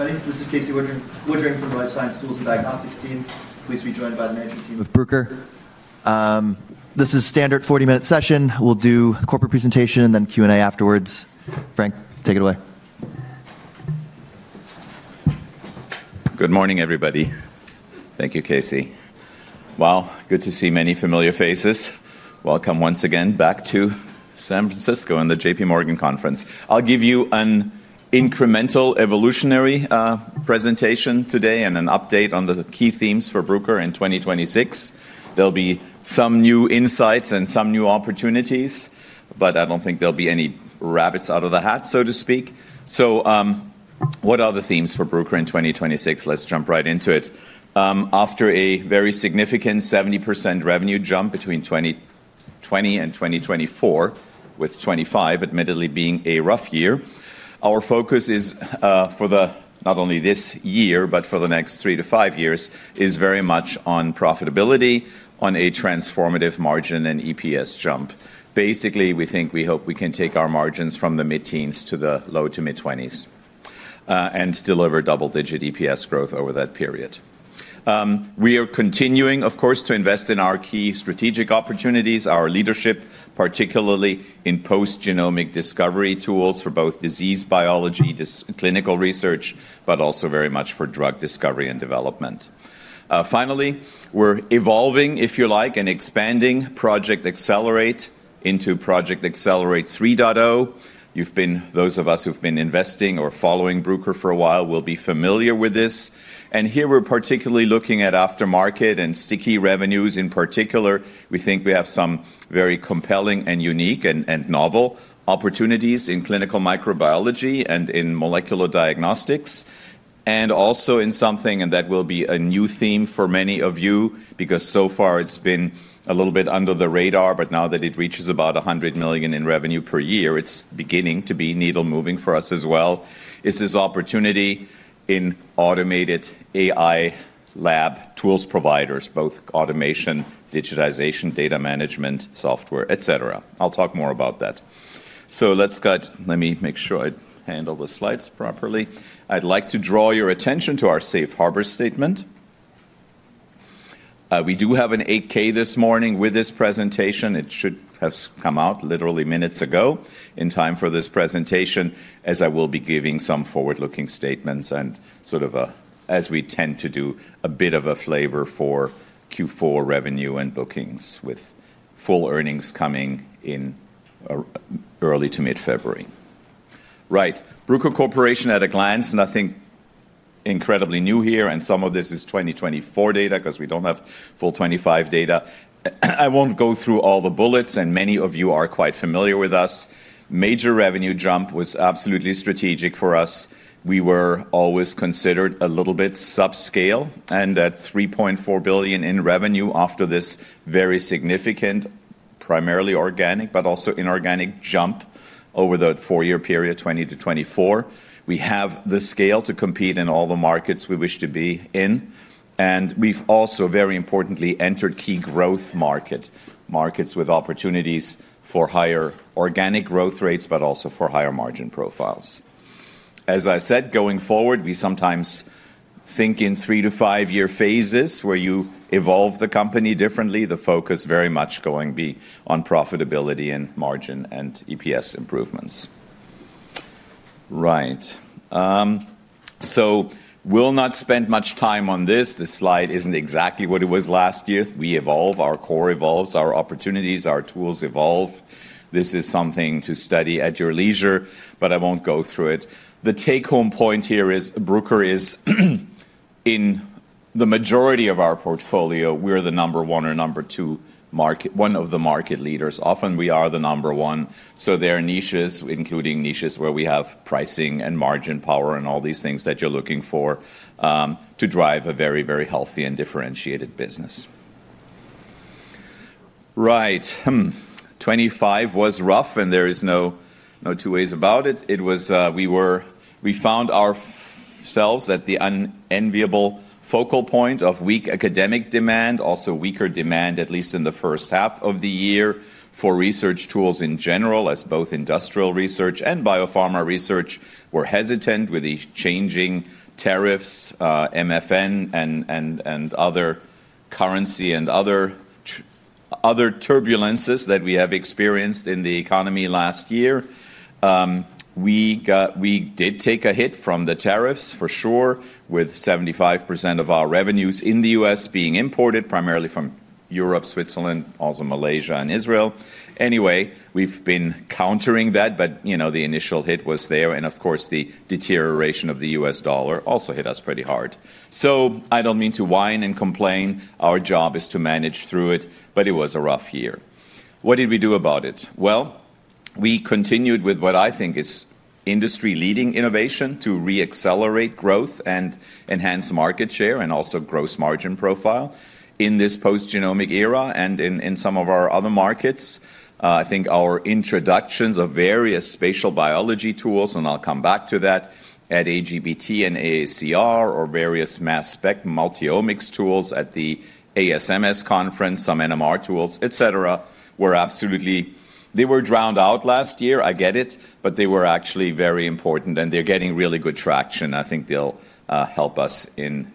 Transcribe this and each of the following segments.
Good evening. This is Casey Woodring from the Life Science Tools and Diagnostics team. Pleased to be joined by the management team of Bruker. This is a standard 40-minute session. We'll do a corporate presentation and then Q&A afterwards. Frank, take it away. Good morning, everybody. Thank you, Casey. Good to see many familiar faces. Welcome once again back to San Francisco and the J.P. Morgan conference. I'll give you an incremental evolutionary presentation today and an update on the key themes for Bruker in 2026. There'll be some new insights and some new opportunities, but I don't think there'll be any rabbits out of the hat, so to speak. What are the themes for Bruker in 2026? Let's jump right into it. After a very significant 70% revenue jump between 2020 and 2024, with 2025 admittedly being a rough year, our focus is not only for this year, but for the next three to five years, is very much on profitability, on a transformative margin and EPS jump. Basically, we think we hope we can take our margins from the mid-teens to the low to mid-20s and deliver double-digit EPS growth over that period. We are continuing, of course, to invest in our key strategic opportunities, our leadership, particularly in post-genomic discovery tools for both disease biology, clinical research, but also very much for drug discovery and development. Finally, we're evolving, if you like, and expanding Project Accelerate into Project Accelerate 3.0. Those of us who've been investing or following Bruker for a while will be familiar with this, and here we're particularly looking at aftermarket and sticky revenues in particular. We think we have some very compelling and unique and novel opportunities in clinical microbiology and in molecular diagnostics, and also in something that will be a new theme for many of you, because so far it's been a little bit under the radar, but now that it reaches about $100 million in revenue per year, it's beginning to be needle-moving for us as well. It's this opportunity in automated AI lab tools providers, both automation, digitization, data management, software, et cetera. I'll talk more about that. So let's get, let me make sure I handle the slides properly. I'd like to draw your attention to our Safe Harbor statement. We do have an 8-K this morning with this presentation. It should have come out literally minutes ago in time for this presentation, as I will be giving some forward-looking statements and sort of, as we tend to do, a bit of a flavor for Q4 revenue and bookings with full earnings coming in early to mid-February. Right. Bruker Corporation at a glance, nothing incredibly new here, and some of this is 2024 data because we don't have full 2025 data. I won't go through all the bullets, and many of you are quite familiar with us. Major revenue jump was absolutely strategic for us. We were always considered a little bit subscale and at $3.4 billion in revenue after this very significant, primarily organic, but also inorganic jump over the four-year period 2020 to 2024. We have the scale to compete in all the markets we wish to be in. We've also, very importantly, entered key growth markets, markets with opportunities for higher organic growth rates, but also for higher margin profiles. As I said, going forward, we sometimes think in three- to five-year phases where you evolve the company differently. The focus very much going to be on profitability and margin and EPS improvements. Right. We'll not spend much time on this. This slide isn't exactly what it was last year. We evolve, our core evolves, our opportunities, our tools evolve. This is something to study at your leisure, but I won't go through it. The take-home point here is Bruker is in the majority of our portfolio. We're the number one or number two, one of the market leaders. Often we are the number one. There are niches, including niches where we have pricing and margin power and all these things that you're looking for to drive a very, very healthy and differentiated business. Right. 2025 was rough, and there is no two ways about it. We found ourselves at the unenviable focal point of weak academic demand, also weaker demand, at least in the first half of the year for research tools in general, as both industrial research and biopharma research were hesitant with the changing tariffs, MFN, and other currency and other turbulences that we have experienced in the economy last year. We did take a hit from the tariffs, for sure, with 75% of our revenues in the U.S. being imported primarily from Europe, Switzerland, also Malaysia and Israel. Anyway, we've been countering that, but the initial hit was there. Of course, the deterioration of the U.S. dollar also hit us pretty hard. I don't mean to whine and complain. Our job is to manage through it, but it was a rough year. What did we do about it? We continued with what I think is industry-leading innovation to re-accelerate growth and enhance market share and also gross margin profile in this post-genomic era and in some of our other markets. I think our introductions of various spatial biology tools, and I'll come back to that, at AGBT and AACR or various mass spec multi-omics tools at the ASMS conference, some NMR tools, et cetera, were absolutely. They were drowned out last year. I get it, but they were actually very important, and they're getting really good traction. I think they'll help us in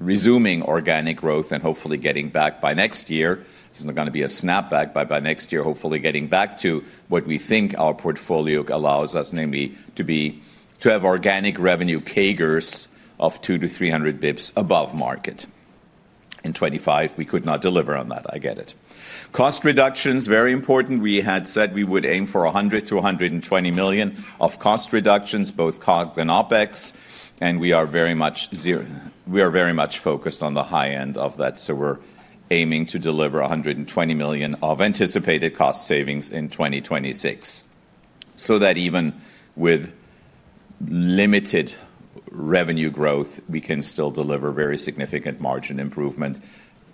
resuming organic growth and hopefully getting back by next year. This is not going to be a snapback, but by next year, hopefully getting back to what we think our portfolio allows us, namely to have organic revenue CAGRs of 200 to 300 basis points above market. In 2025, we could not deliver on that. I get it. Cost reductions, very important. We had said we would aim for $100 million-$120 million of cost reductions, both COGS and OPEX, and we are very much focused on the high end of that. So we're aiming to deliver $120 million of anticipated cost savings in 2026 so that even with limited revenue growth, we can still deliver very significant margin improvement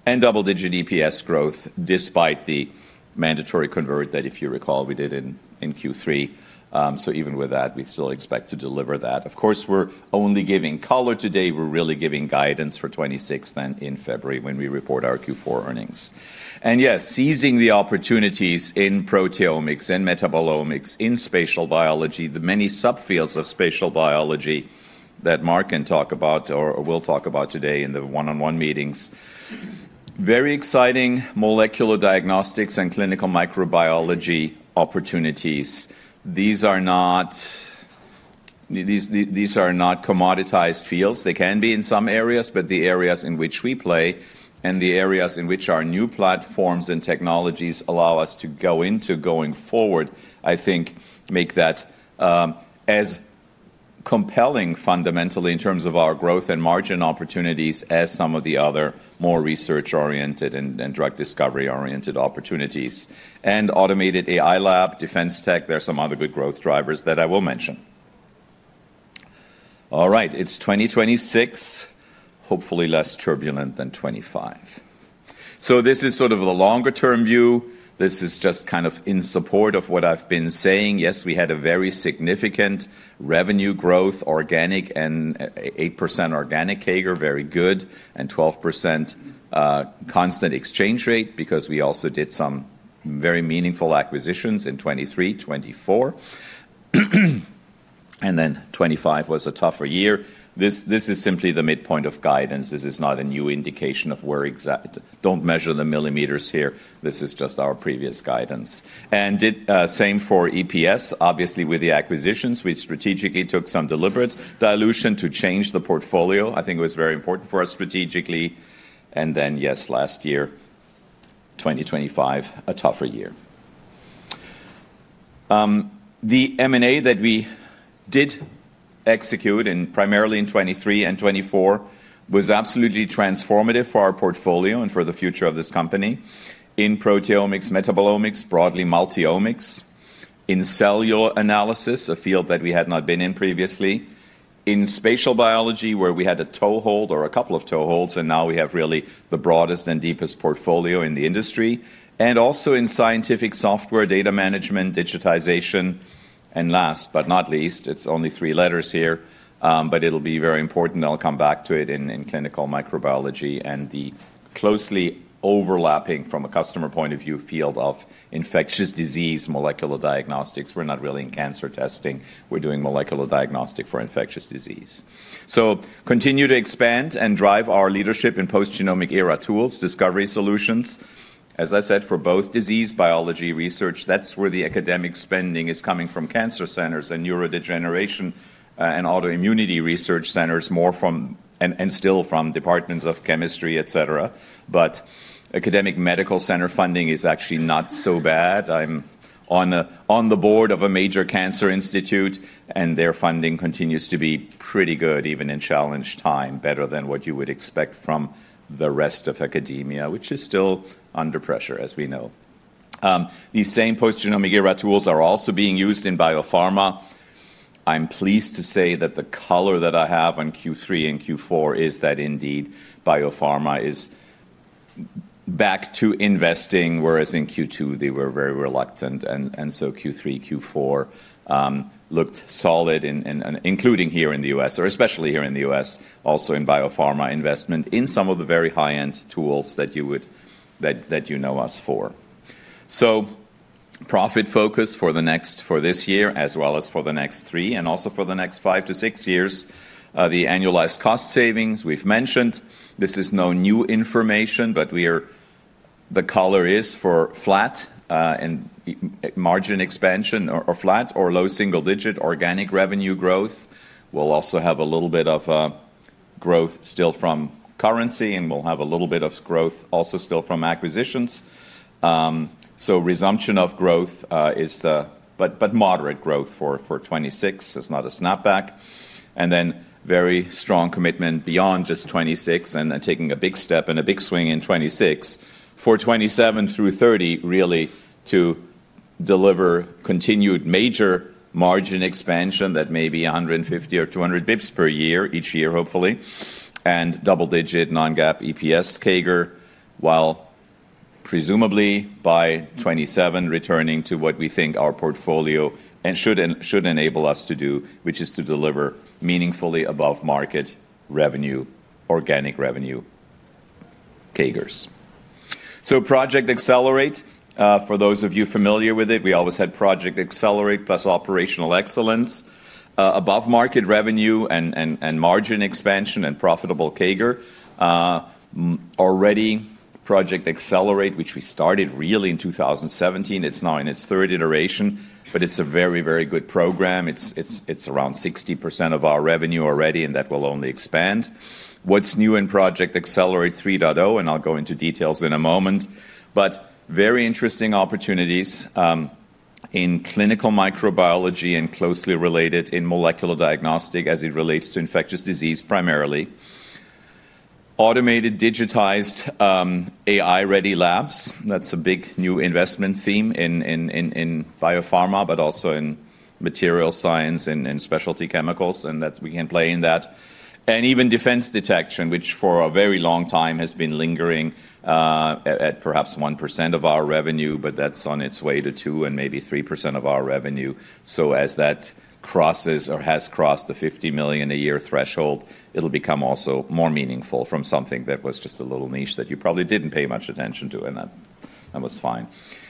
and double-digit EPS growth despite the mandatory convert that, if you recall, we did in Q3. So even with that, we still expect to deliver that. Of course, we're only giving color today. We're really giving guidance for 2026 then in February when we report our Q4 earnings, and yes, seizing the opportunities in proteomics and metabolomics in spatial biology, the many subfields of spatial biology that Mark can talk about or will talk about today in the one-on-one meetings. Very exciting molecular diagnostics and clinical microbiology opportunities. These are not commoditized fields. They can be in some areas, but the areas in which we play and the areas in which our new platforms and technologies allow us to go into going forward, I think make that as compelling fundamentally in terms of our growth and margin opportunities as some of the other more research-oriented and drug discovery-oriented opportunities, and automated AI lab, defense tech, there are some other good growth drivers that I will mention. All right. It's 2026, hopefully less turbulent than 2025, so this is sort of the longer-term view. This is just kind of in support of what I've been saying. Yes, we had a very significant revenue growth, organic and 8% organic CAGR, very good, and 12% constant exchange rate because we also did some very meaningful acquisitions in 2023, 2024. And then 2025 was a tougher year. This is simply the midpoint of guidance. This is not a new indication of where exactly, don't measure the millimeters here. This is just our previous guidance. And same for EPS, obviously with the acquisitions, we strategically took some deliberate dilution to change the portfolio. I think it was very important for us strategically. And then yes, last year, 2025, a tougher year. The M&A that we did execute and primarily in 2023 and 2024 was absolutely transformative for our portfolio and for the future of this company. In proteomics, metabolomics, broadly multi-omics, in cellular analysis, a field that we had not been in previously, in spatial biology where we had a toehold or a couple of toeholds, and now we have really the broadest and deepest portfolio in the industry, and also in scientific software, data management, digitization, and last but not least, it's only three letters here, but it'll be very important. I'll come back to it in clinical microbiology and the closely overlapping from a customer point of view field of infectious disease molecular diagnostics. We're not really in cancer testing. We're doing molecular diagnostics for infectious disease. So continue to expand and drive our leadership in post-genomic era tools, discovery solutions. As I said, for both disease biology research, that's where the academic spending is coming from: cancer centers and neurodegeneration and autoimmunity research centers, more from and still from departments of chemistry, et cetera. But academic medical center funding is actually not so bad. I'm on the board of a major cancer institute, and their funding continues to be pretty good, even in challenging times, better than what you would expect from the rest of academia, which is still under pressure, as we know. These same post-genomic era tools are also being used in biopharma. I'm pleased to say that the color that I have on Q3 and Q4 is that indeed biopharma is back to investing, whereas in Q2 they were very reluctant. And so, Q3, Q4 looked solid, including here in the U.S., or especially here in the U.S., also in biopharma investment in some of the very high-end tools that you know us for. So, profit focus for this year, as well as for the next three and also for the next five-to-six years. The annualized cost savings we've mentioned. This is no new information, but the color is for flat and margin expansion or flat or low single-digit organic revenue growth. We'll also have a little bit of growth still from currency, and we'll have a little bit of growth also still from acquisitions. So, resumption of growth is, but moderate growth for 2026. It's not a snapback. And then very strong commitment beyond just 2026 and taking a big step and a big swing in 2026 for 2027 through 2030, really to deliver continued major margin expansion that may be 150 or 200 basis points per year, each year, hopefully, and double-digit non-GAAP EPS CAGR, while presumably by 2027 returning to what we think our portfolio should enable us to do, which is to deliver meaningfully above market revenue, organic revenue CAGRs. So Project Accelerate, for those of you familiar with it, we always had Project Accelerate plus Operational Excellence, above market revenue and margin expansion and profitable CAGR. Already Project Accelerate, which we started really in 2017, it's now in its third iteration, but it's a very, very good program. It's around 60% of our revenue already, and that will only expand. What's new in Project Accelerate 3.0, and I'll go into details in a moment, but very interesting opportunities in clinical microbiology and closely related in molecular diagnostic as it relates to infectious disease primarily. Automated digitized AI-ready labs. That's a big new investment theme in biopharma, but also in material science and specialty chemicals, and that we can play in that. Even defense detection, which for a very long time has been lingering at perhaps 1% of our revenue, but that's on its way to 2% and maybe 3% of our revenue. So as that crosses or has crossed the $50 million a year threshold, it'll become also more meaningful from something that was just a little niche that you probably didn't pay much attention to, and that was fine.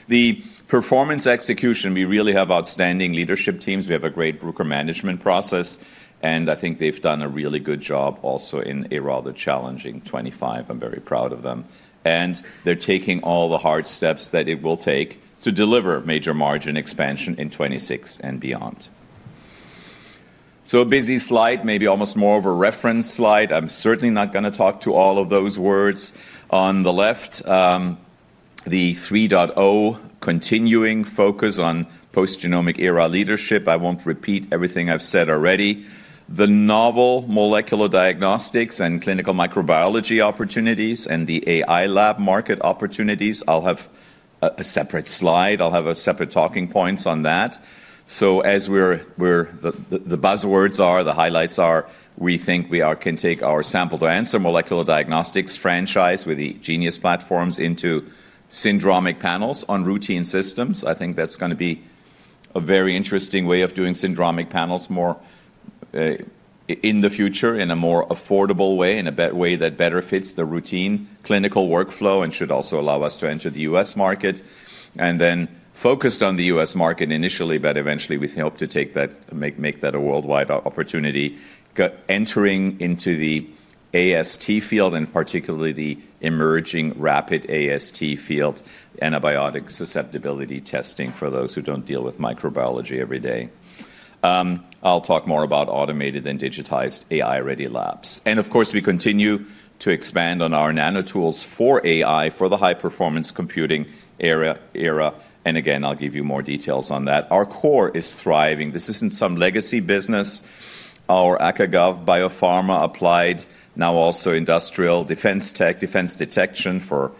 The performance execution, we really have outstanding leadership teams. We have a great Bruker management process, and I think they've done a really good job also in a rather challenging 2025. I'm very proud of them, and they're taking all the hard steps that it will take to deliver major margin expansion in 2026 and beyond, so a busy slide, maybe almost more of a reference slide. I'm certainly not going to talk to all of those words. On the left, the 3.0 continuing focus on post-genomic era leadership. I won't repeat everything I've said already. The novel molecular diagnostics and clinical microbiology opportunities and the AI lab market opportunities. I'll have a separate slide. I'll have separate talking points on that, so as the buzzwords are, the highlights are, we think we can take our sample-to-answer molecular diagnostics franchise with the Genius platforms into syndromic panels on routine systems. I think that's going to be a very interesting way of doing syndromic panels more in the future in a more affordable way, in a way that better fits the routine clinical workflow and should also allow us to enter the U.S. market. And then focused on the U.S. market initially, but eventually we hope to make that a worldwide opportunity entering into the AST field and particularly the emerging rapid AST field, Antibiotic Susceptibility Testing for those who don't deal with microbiology every day. I'll talk more about automated and digitized AI-ready labs. And of course, we continue to expand on our nano tools for AI for the high-performance computing era. And again, I'll give you more details on that. Our core is thriving. This isn't some legacy business. Our Academic/Gov biopharma applied, now also industrial defense tech, defense detection for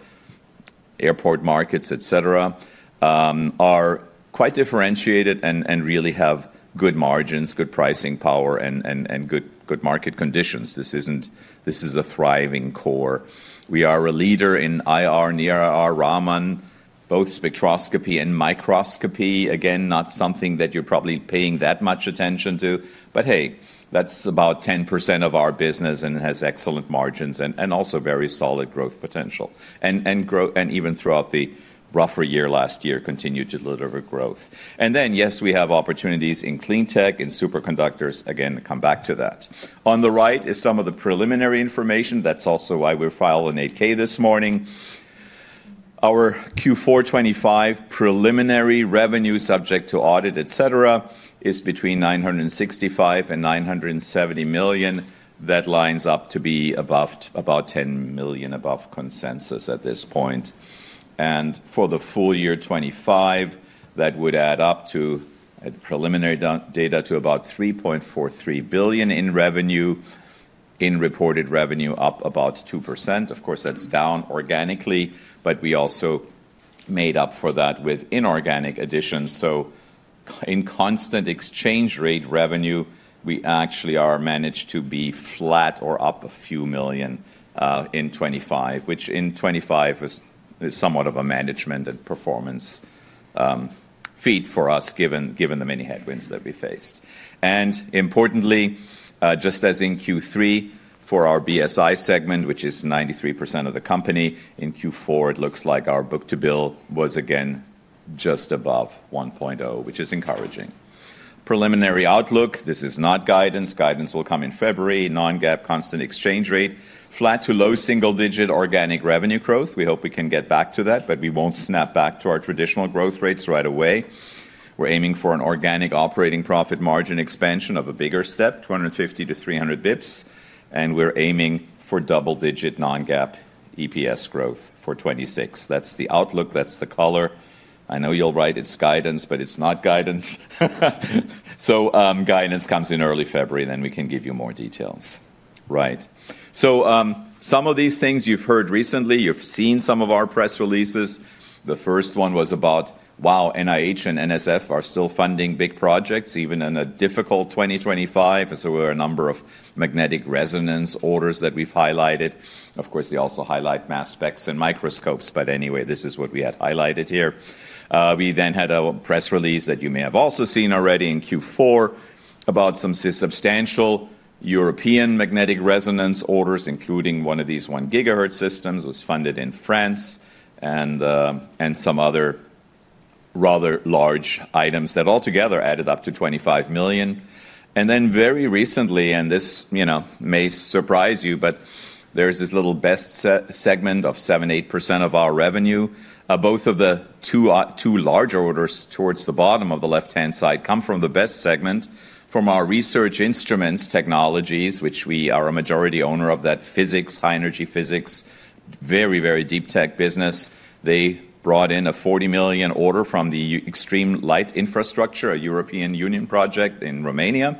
airport markets, et cetera, are quite differentiated and really have good margins, good pricing power, and good market conditions. This is a thriving core. We are a leader in IR, near IR, Raman, both spectroscopy and microscopy. Again, not something that you're probably paying that much attention to, but hey, that's about 10% of our business and has excellent margins and also very solid growth potential. And even throughout the rougher year last year, continue to deliver growth. And then, yes, we have opportunities in cleantech and superconductors. Again, come back to that. On the right is some of the preliminary information. That's also why we're filing 8-K this morning. Our Q4 '25 preliminary revenue subject to audit, et cetera, is between $965 million and $970 million. That lines up to be about $10 million above consensus at this point. And for the full year 2025, that would add up to preliminary data to about $3.43 billion in reported revenue, up about 2%. Of course, that's down organically, but we also made up for that with inorganic additions. So in constant exchange rate revenue, we actually are managed to be flat or up a few million in 2025, which in 2025 is somewhat of a management and performance feat for us given the many headwinds that we faced. And importantly, just as in Q3 for our BSI segment, which is 93% of the company, in Q4, it looks like our book-to-bill was again just above 1.0, which is encouraging. Preliminary outlook, this is not guidance. Guidance will come in February. Non-GAAP constant exchange rate, flat to low single-digit organic revenue growth. We hope we can get back to that, but we won't snap back to our traditional growth rates right away. We're aiming for an organic operating profit margin expansion of a bigger step, 250-300 basis points, and we're aiming for double-digit non-GAAP EPS growth for 2026. That's the outlook. That's the color. I know you'll write it's guidance, but it's not guidance, so guidance comes in early February, and then we can give you more details. Right, so some of these things you've heard recently, you've seen some of our press releases. The first one was about, wow, NIH and NSF are still funding big projects, even in a difficult 2025, and so there were a number of magnetic resonance orders that we've highlighted. Of course, they also highlight mass specs and microscopes, but anyway, this is what we had highlighted here. We then had a press release that you may have also seen already in Q4 about some substantial European magnetic resonance orders, including one of these 1 gigahertz systems was funded in France and some other rather large items that altogether added up to $25 million. And then very recently, and this may surprise you, but there's this little BEST segment of 7%, 8% of our revenue. Both of the two large orders towards the bottom of the left-hand side come from the BEST segment from our Research Instruments technologies, which we are a majority owner of that physics, high-energy physics, very, very deep tech business. They brought in a $40 million order from the Extreme Light Infrastructure, a European Union project in Romania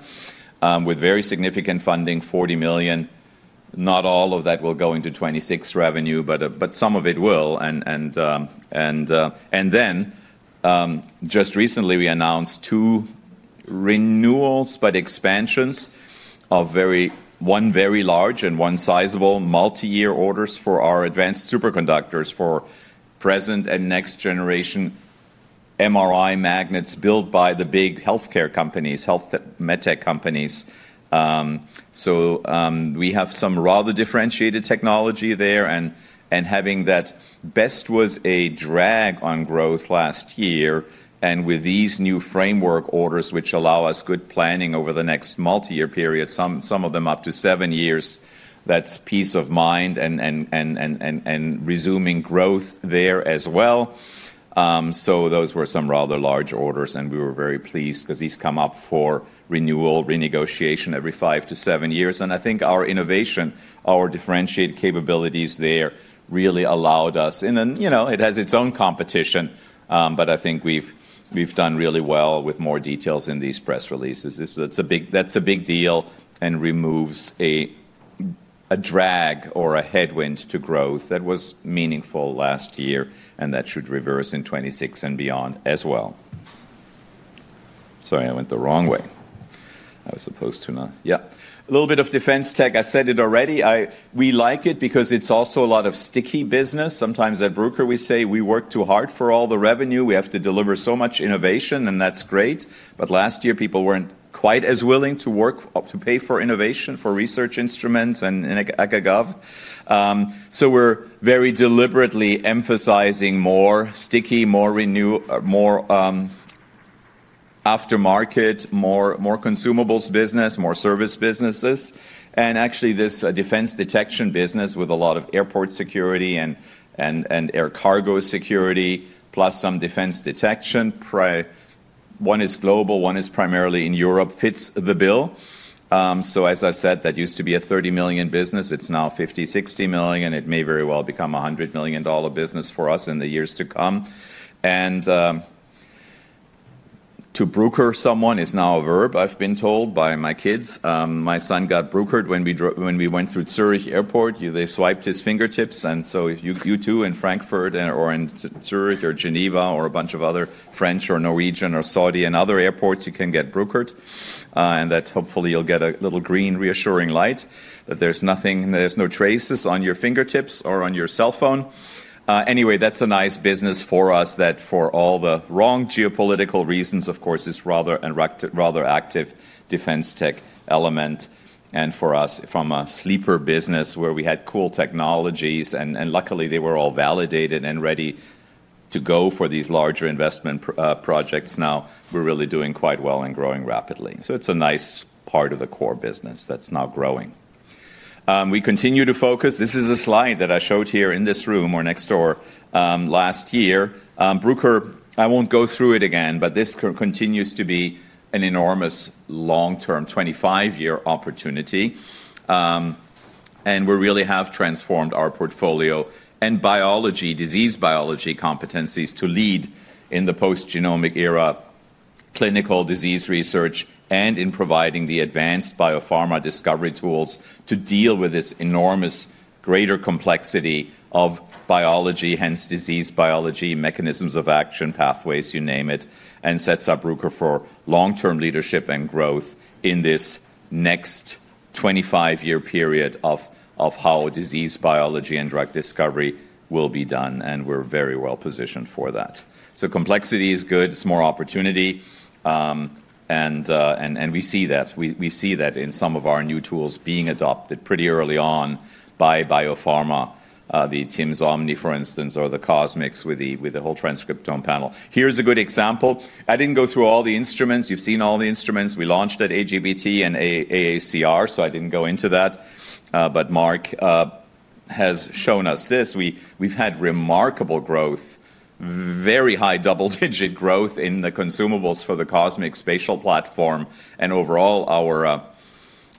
with very significant funding, $40 million. Not all of that will go into 2026 revenue, but some of it will. And then just recently, we announced two renewals but expansions of one very large and one sizable multi-year orders for our advanced superconductors for present and next-generation MRI magnets built by the big healthcare companies, health med tech companies. So we have some rather differentiated technology there. And having that BEST was a drag on growth last year. And with these new framework orders, which allow us good planning over the next multi-year period, some of them up to seven years, that's peace of mind and resuming growth there as well. So those were some rather large orders, and we were very pleased because these come up for renewal, renegotiation every five to seven years. And I think our innovation, our differentiated capabilities there really allowed us, and it has its own competition, but I think we've done really well with more details in these press releases. That's a big deal and removes a drag or a headwind to growth that was meaningful last year, and that should reverse in 2026 and beyond as well. Sorry, I went the wrong way. I was supposed to not. Yeah. A little bit of defense tech. I said it already. We like it because it's also a lot of sticky business. Sometimes at Bruker, we say we work too hard for all the revenue. We have to deliver so much innovation, and that's great. But last year, people weren't quite as willing to pay for innovation for research instruments and academia and gov. So we're very deliberately emphasizing more sticky, more aftermarket, more consumables business, more service businesses, and actually, this defense detection business with a lot of airport security and air cargo security, plus some defense detection, one is global, one is primarily in Europe, fits the bill. So as I said, that used to be a $30 million business. It's now $50-$60 million. It may very well become a $100 million business for us in the years to come. And to Bruker someone is now a verb, I've been told by my kids. My son got Bruker when we went through Zurich Airport. They swiped his fingertips. And so you too in Frankfurt or in Zurich or Geneva or a bunch of other French or Norwegian or Saudi and other airports, you can get Bruker. And that hopefully you'll get a little green reassuring light that there's no traces on your fingertips or on your cell phone. Anyway, that's a nice business for us that for all the wrong geopolitical reasons, of course, is rather an active defense tech element. And for us, from a sleeper business where we had cool technologies, and luckily they were all validated and ready to go for these larger investment projects, now we're really doing quite well and growing rapidly. So it's a nice part of the core business that's now growing. We continue to focus. This is a slide that I showed here in this room or next door last year. Bruker, I won't go through it again, but this continues to be an enormous long-term 25-year opportunity. We really have transformed our portfolio and disease biology competencies to lead in the post-genomic era clinical disease research and in providing the advanced biopharma discovery tools to deal with this enormous greater complexity of biology, hence disease biology, mechanisms of action, pathways, you name it, and sets up Bruker for long-term leadership and growth in this next 25-year period of how disease biology and drug discovery will be done. We're very well positioned for that. Complexity is good. It's more opportunity. We see that. We see that in some of our new tools being adopted pretty early on by biopharma, the TIMS Omni, for instance, or the CosMx with the Whole Transcriptome Panel. Here's a good example. I didn't go through all the instruments. You've seen all the instruments. We launched at AGBT and AACR, so I didn't go into that. But Mark has shown us this. We've had remarkable growth, very high double-digit growth in the consumables for the CosMx spatial platform. And overall,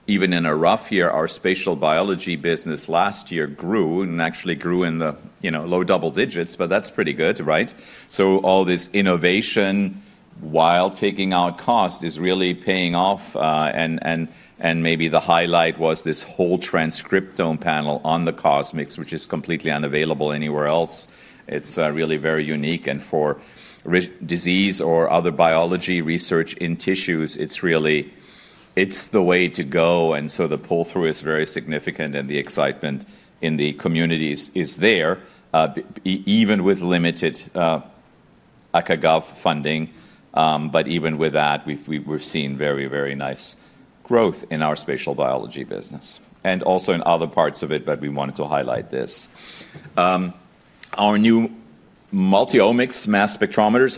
even in a rough year, our spatial biology business last year grew and actually grew in the low double digits, but that's pretty good, right? So all this innovation while taking out cost is really paying off. And maybe the highlight was this Whole Transcriptome panel on the CosMx, which is completely unavailable anywhere else. It's really very unique. And for disease or other biology research in tissues, it's the way to go. And so the pull-through is very significant and the excitement in the communities is there, even with limited NIH funding. But even with that, we've seen very, very nice growth in our spatial biology business and also in other parts of it, but we wanted to highlight this. Our new multi-omics mass spectrometers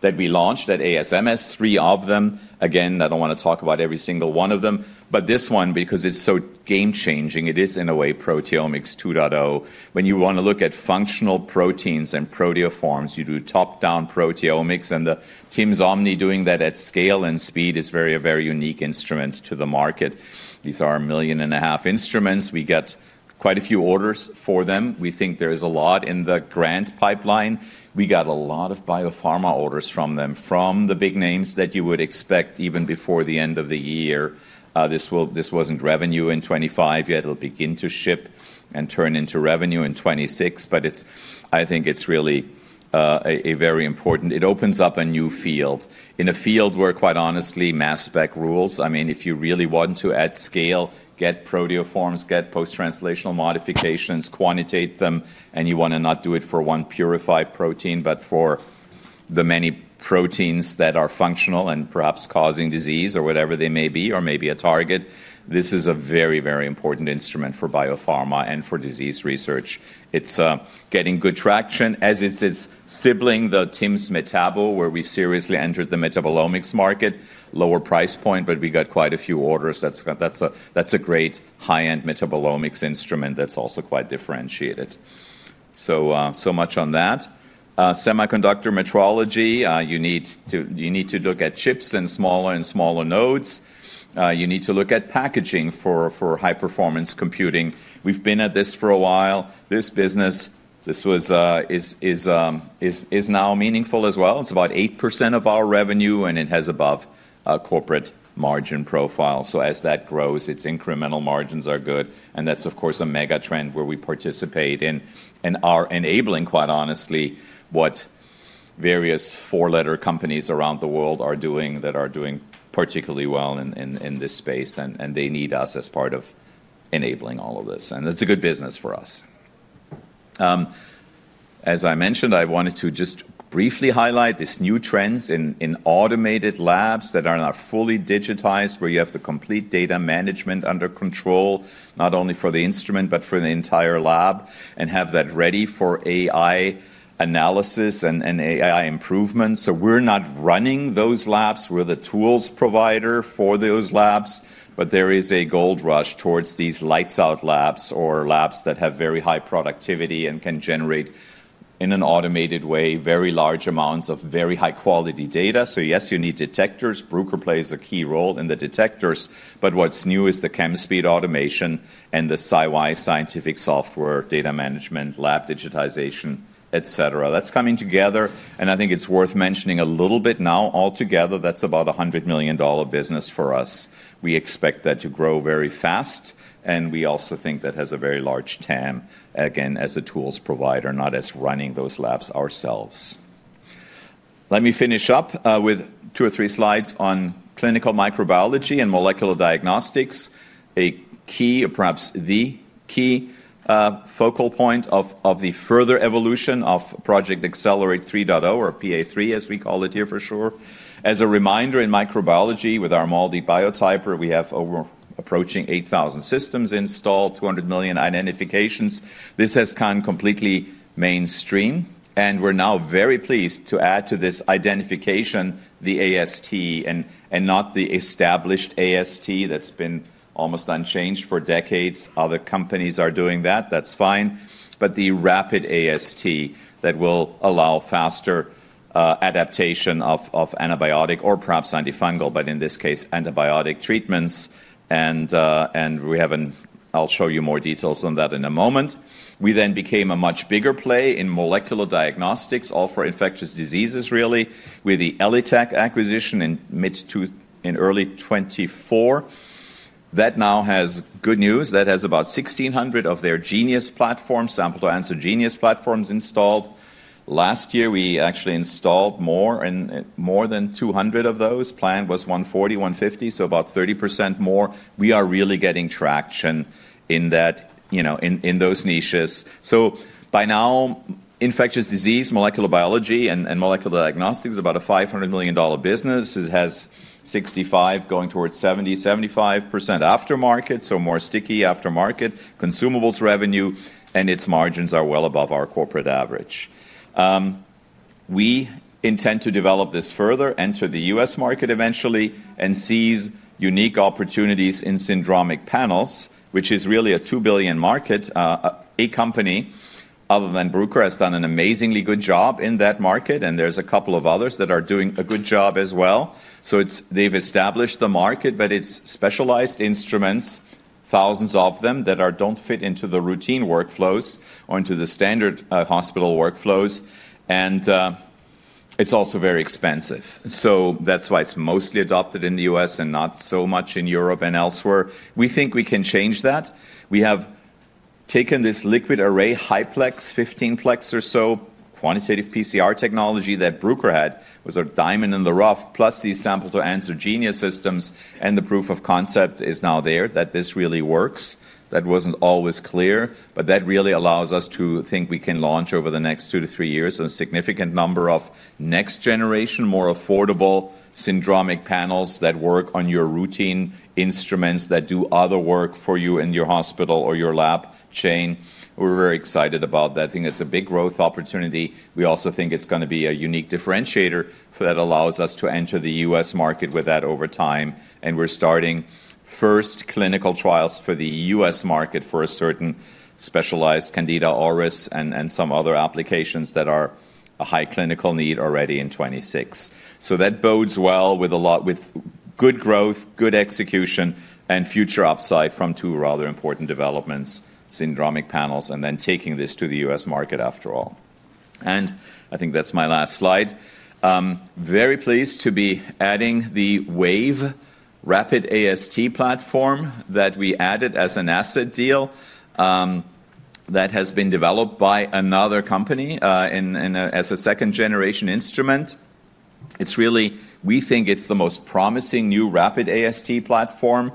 that we launched at ASMS, three of them. Again, I don't want to talk about every single one of them, but this one, because it's so game-changing, it is in a way Proteomics 2.0. When you want to look at functional proteins and proteoforms, you do top-down proteomics, and the TIMS Omni doing that at scale and speed is a very unique instrument to the market. These are $1.5 million instruments. We get quite a few orders for them. We think there is a lot in the grant pipeline. We got a lot of biopharma orders from them, from the big names that you would expect even before the end of the year. This wasn't revenue in 2025 yet. It'll begin to ship and turn into revenue in 2026. But I think it's really a very important, it opens up a new field in a field where, quite honestly, mass spec rules. I mean, if you really want to, at scale, get proteoforms, get post-translational modifications, quantitate them, and you want to not do it for one purified protein, but for the many proteins that are functional and perhaps causing disease or whatever they may be, or maybe a target, this is a very, very important instrument for biopharma and for disease research. It's getting good traction as is its sibling, the TIMS Metabo, where we seriously entered the metabolomics market, lower price point, but we got quite a few orders. That's a great high-end metabolomics instrument that's also quite differentiated. So much on that. Semiconductor metrology, you need to look at chips and smaller and smaller nodes. You need to look at packaging for high-performance computing. We've been at this for a while. This business, this is now meaningful as well. It's about 8% of our revenue, and it has above corporate margin profile, so as that grows, its incremental margins are good, and that's, of course, a mega trend where we participate in and are enabling, quite honestly, what various four-letter companies around the world are doing that are doing particularly well in this space. And they need us as part of enabling all of this, and it's a good business for us. As I mentioned, I wanted to just briefly highlight these new trends in automated labs that are not fully digitized, where you have the complete data management under control, not only for the instrument, but for the entire lab, and have that ready for AI analysis and AI improvements, so we're not running those labs. We're the tools provider for those labs. But there is a gold rush towards these lights-out labs or labs that have very high productivity and can generate, in an automated way, very large amounts of very high-quality data. So yes, you need detectors. Bruker plays a key role in the detectors. But what's new is the Chemspeed automation and the SciY scientific software data management, lab digitization, etc. That's coming together. And I think it's worth mentioning a little bit now altogether, that's about a $100 million business for us. We expect that to grow very fast. And we also think that has a very large TAM, again, as a tools provider, not as running those labs ourselves. Let me finish up with two or three slides on clinical microbiology and molecular diagnostics, a key, or perhaps the key focal point of the further evolution of Project Accelerate 3.0, or PA3, as we call it here for sure. As a reminder, in microbiology with our MALDI Biotiper, we have over approaching 8,000 systems installed, 200 million identifications. This has come completely mainstream. And we're now very pleased to add to this identification the AST and not the established AST that's been almost unchanged for decades. Other companies are doing that. That's fine. But the rapid AST that will allow faster adaptation of antibiotic or perhaps antifungal, but in this case, antibiotic treatments. And I'll show you more details on that in a moment. We then became a much bigger play in molecular diagnostics, all for infectious diseases, really, with the ELITechGroup acquisition in early 2024. That now has good news. That has about 1,600 of their Genius platforms, sample-to-answer Genius platforms installed. Last year, we actually installed more than 200 of those. Plan was 140-150, so about 30% more. We are really getting traction in those niches. So by now, infectious disease, molecular biology, and molecular diagnostics is about a $500 million business. It has 65%, going towards 70%-75% aftermarket, so more sticky aftermarket consumables revenue, and its margins are well above our corporate average. We intend to develop this further, enter the U.S. market eventually, and seize unique opportunities in syndromic panels, which is really a $2 billion market. A company, other than Bruker, has done an amazingly good job in that market, and there's a couple of others that are doing a good job as well. So they've established the market, but it's specialized instruments, thousands of them that don't fit into the routine workflows or into the standard hospital workflows. And it's also very expensive. So that's why it's mostly adopted in the U.S. and not so much in Europe and elsewhere. We think we can change that. We have taken this LiquidArray, high-plex, 15-plex or so, quantitative PCR technology that Bruker had was a diamond in the rough, plus these sample-to-answer Genius systems. And the proof of concept is now there that this really works. That wasn't always clear, but that really allows us to think we can launch over the next two to three years a significant number of next-generation, more affordable syndromic panels that work on your routine instruments that do other work for you in your hospital or your lab chain. We're very excited about that. I think it's a big growth opportunity. We also think it's going to be a unique differentiator that allows us to enter the U.S. market with that over time, and we're starting first clinical trials for the U.S. market for a certain specialized Candida auris and some other applications that are a high clinical need already in 2026. So that bodes well with good growth, good execution, and future upside from two rather important developments, syndromic panels, and then taking this to the U.S. market after all, and I think that's my last slide. Very pleased to be adding the Wave Rapid AST platform that we added as an asset deal that has been developed by another company as a second-generation instrument. We think it's the most promising new rapid AST platform.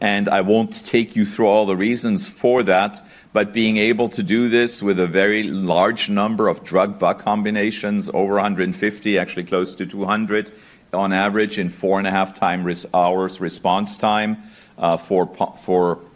I won't take you through all the reasons for that, but being able to do this with a very large number of drug-bug combinations, over 150, actually close to 200 on average in four-and-a-half-hour response time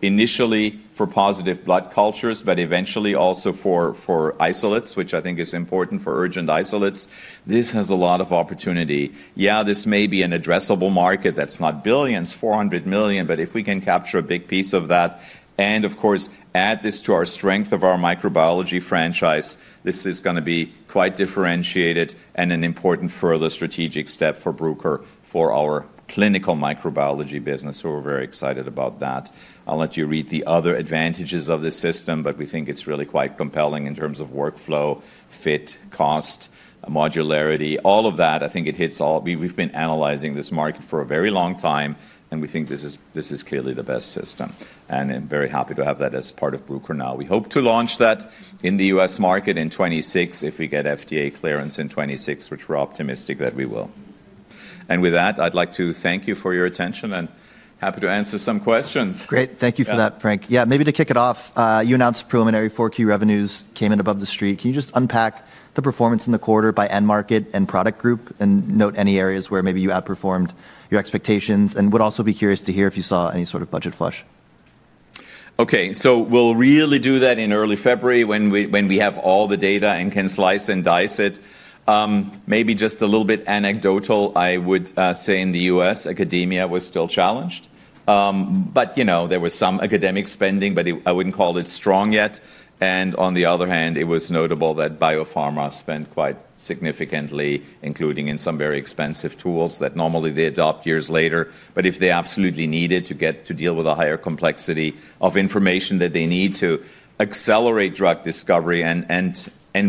initially for positive blood cultures, but eventually also for isolates, which I think is important for urgent isolates, this has a lot of opportunity. Yeah, this may be an addressable market that's not billions, $400 million, but if we can capture a big piece of that. Of course, add this to the strength of our microbiology franchise. This is going to be quite differentiated and an important further strategic step for Bruker for our clinical microbiology business. We're very excited about that. I'll let you read the other advantages of this system, but we think it's really quite compelling in terms of workflow, fit, cost, modularity. All of that, I think it hits all. We've been analyzing this market for a very long time, and we think this is clearly the best system. And I'm very happy to have that as part of Bruker now. We hope to launch that in the U.S. market in 2026 if we get FDA clearance in 2026, which we're optimistic that we will. And with that, I'd like to thank you for your attention and happy to answer some questions. Great. Thank you for that, Frank. Yeah, maybe to kick it off, you announced preliminary 4Q revenues came in above the Street. Can you just unpack the performance in the quarter by end market and product group and note any areas where maybe you outperformed your expectations? And would also be curious to hear if you saw any sort of budget flush. Okay. So we'll really do that in early February when we have all the data and can slice and dice it. Maybe just a little bit anecdotal, I would say in the U.S., academia was still challenged. But there was some academic spending, but I wouldn't call it strong yet. And on the other hand, it was notable that biopharma spent quite significantly, including in some very expensive tools that normally they adopt years later. But if they absolutely needed to deal with a higher complexity of information that they need to accelerate drug discovery and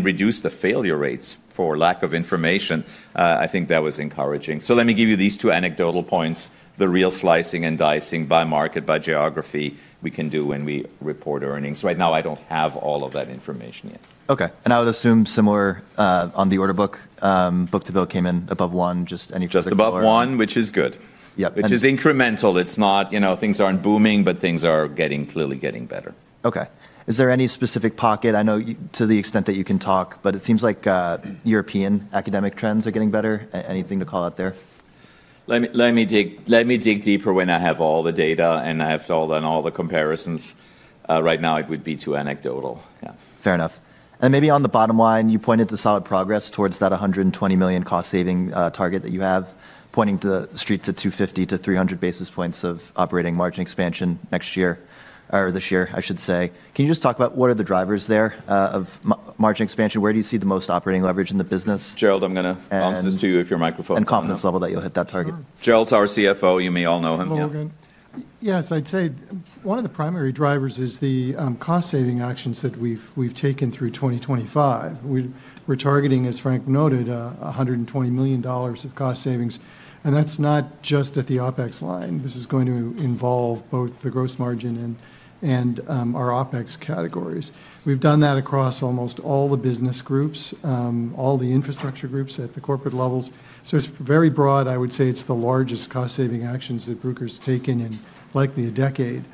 reduce the failure rates for lack of information, I think that was encouraging. So let me give you these two anecdotal points, the real slicing and dicing by market, by geography we can do when we report earnings. Right now, I don't have all of that information yet. Okay, and I would assume similar on the order book, book-to-bill came in above one, just anything? Just above one, which is good. Yeah. Which is incremental. Things aren't booming, but things are clearly getting better. Okay. Is there any specific pocket? I know to the extent that you can talk, but it seems like European academic trends are getting better. Anything to call out there? Let me dig deeper when I have all the data and I have all the comparisons. Right now, it would be too anecdotal. Yeah. Fair enough. And maybe on the bottom line, you pointed to solid progress towards that $120 million cost-saving target that you have, pointing to the Street to 250-300 basis points of operating margin expansion next year or this year, I should say. Can you just talk about what are the drivers there of margin expansion? Where do you see the most operating leverage in the business? Gerald, I'm going to bounce this to you if your microphone is on. Confidence level that you'll hit that target. Gerald's our CFO. You may all know him. Yes, I'd say one of the primary drivers is the cost-saving actions that we've taken through 2025. We're targeting, as Frank noted, $120 million of cost savings. And that's not just at the OPEX line. This is going to involve both the gross margin and our OPEX categories. We've done that across almost all the business groups, all the infrastructure groups at the corporate levels. So it's very broad. I would say it's the largest cost-saving actions that Bruker's taken in likely a decade.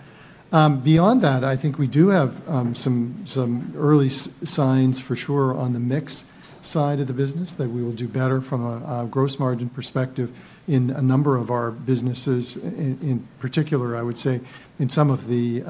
Beyond that, I think we do have some early signs for sure on the mix side of the business that we will do better from a gross margin perspective in a number of our businesses, in particular, I would say, in some of the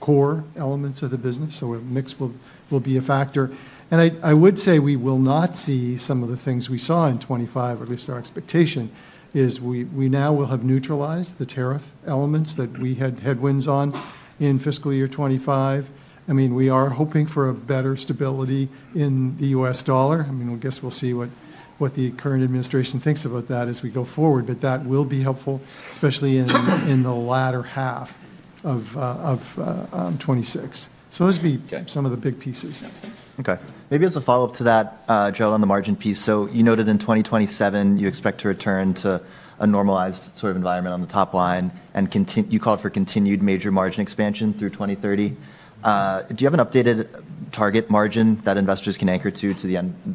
core elements of the business. So a mix will be a factor. I would say we will not see some of the things we saw in 2025, or at least our expectation is we now will have neutralized the tariff elements that we had headwinds on in fiscal year 2025. I mean, we are hoping for a better stability in the U.S. dollar. I mean, I guess we'll see what the current administration thinks about that as we go forward, but that will be helpful, especially in the latter half of 2026. Those would be some of the big pieces. Okay. Maybe as a follow-up to that, Gerald, on the margin piece. So you noted in 2027, you expect to return to a normalized sort of environment on the top line, and you called for continued major margin expansion through 2030. Do you have an updated target margin that investors can anchor to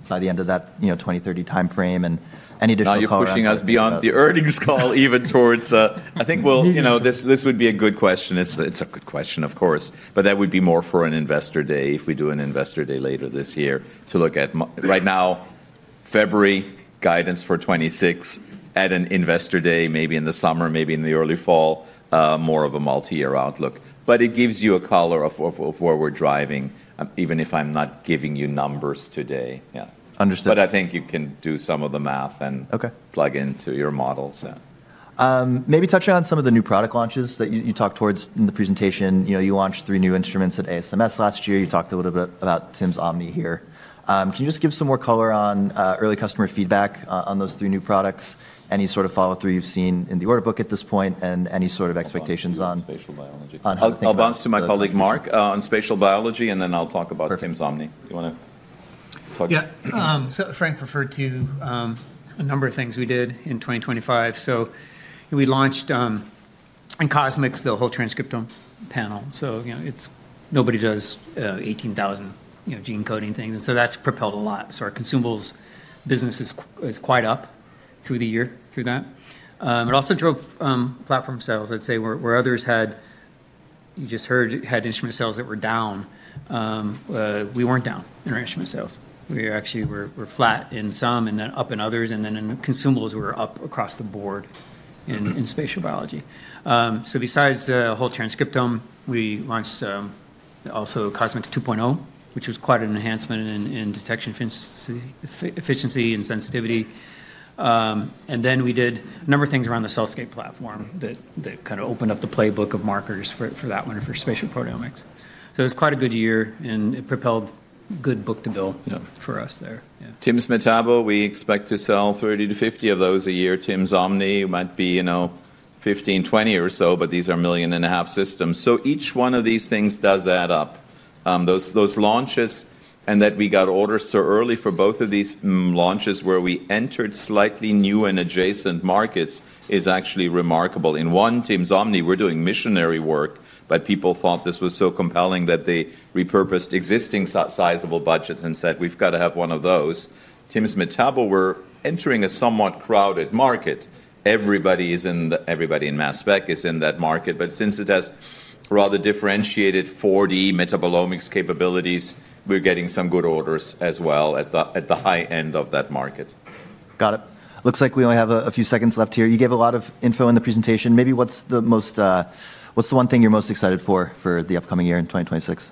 by the end of that 2030 timeframe? And any additional call? Now you're pushing us beyond the earnings call even towards a. I think this would be a good question. It's a good question, of course, but that would be more for an investor day if we do an investor day later this year to look at right now, February guidance for 2026 at an investor day, maybe in the summer, maybe in the early fall, more of a multi-year outlook. But it gives you a color of where we're driving, even if I'm not giving you numbers today. Yeah. Understood. But I think you can do some of the math and plug into your models. Maybe touch on some of the new product launches that you talked towards in the presentation. You launched three new instruments at ASMS last year. You talked a little bit about TIMS Omni here. Can you just give some more color on early customer feedback on those three new products? Any sort of follow-through you've seen in the order book at this point and any sort of expectations on? I'll bounce to my colleague Mark on spatial biology, and then I'll talk about TIMS Omni. Do you want to talk? Yeah. So Frank referred to a number of things we did in 2025. So we launched in CosMx the Whole Transcriptome Panel. So nobody does 18,000 gene coding things. And so that's propelled a lot. So our consumables business is quite up through the year through that. It also drove platform sales, I'd say, where others had, you just heard, had instrument sales that were down. We weren't down in our instrument sales. We actually were flat in some and then up in others. And then in consumables, we were up across the board in spatial biology. So besides the Whole Transcriptome, we launched also CosMx 2.0, which was quite an enhancement in detection efficiency and sensitivity. And then we did a number of things around the CellScape platform that kind of opened up the playbook of markers for that one for spatial proteomics. So it was quite a good year, and it propelled good book to bill for us there. TIMS Metabo, we expect to sell 30-50 of those a year. TIMS Omni might be 15-20 or so, but these are $1.5 million systems. So each one of these things does add up. Those launches and that we got orders so early for both of these launches where we entered slightly new and adjacent markets is actually remarkable. In one, TIMS Omni, we're doing missionary work, but people thought this was so compelling that they repurposed existing sizable budgets and said, "We've got to have one of those." TIMS Metabo, we're entering a somewhat crowded market. Everybody in MassSpec is in that market. But since it has rather differentiated 4D metabolomics capabilities, we're getting some good orders as well at the high end of that market. Got it. Looks like we only have a few seconds left here. You gave a lot of info in the presentation. Maybe what's the one thing you're most excited for for the upcoming year in 2026?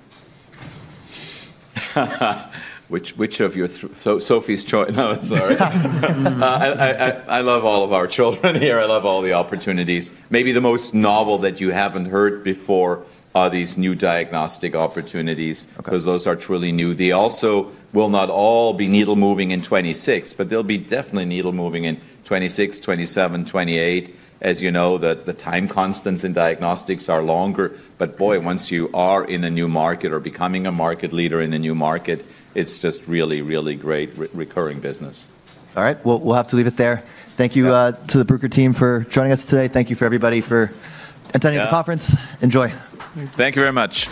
Which of your Sophie's Choice? No, sorry. I love all of our children here. I love all the opportunities. Maybe the most novel that you haven't heard before are these new diagnostic opportunities because those are truly new. They also will not all be needle-moving in 2026, but they'll be definitely needle-moving in 2026, 2027, 2028. As you know, the time constants in diagnostics are longer. But boy, once you are in a new market or becoming a market leader in a new market, it's just really, really great recurring business. All right. Well, we'll have to leave it there. Thank you to the Bruker team for joining us today. Thank you for everybody for attending the conference. Enjoy. Thank you very much.